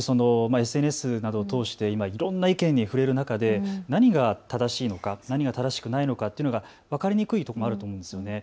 ＳＮＳなどを通して今いろんな意見に触れる中で何が正しいのか何が正しくないのかというのが分かりにくいところあると思うんですよね。